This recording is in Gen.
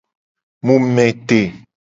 Mu me te.